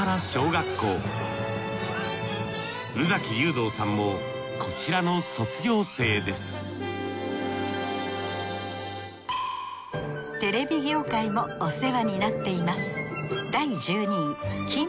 宇崎竜童さんもこちらの卒業生ですテレビ業界もお世話になっています